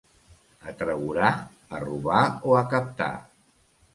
A Tregurà, a robar o a captar.